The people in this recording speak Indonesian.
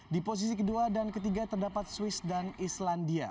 di posisi kedua dan ketiga terdapat swiss dan islandia